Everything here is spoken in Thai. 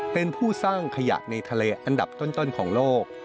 เป็นผู้สร้างขยะในทะเลอันดับต้นของโลก